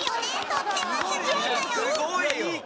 とってもすごいんだよ！